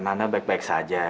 nanda baik baik saja